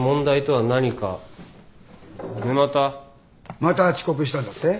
また遅刻したんだって？